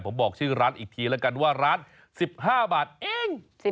ผมบอกชื่อร้านอีกทีแล้วกันว่าร้าน๑๕บาทเอง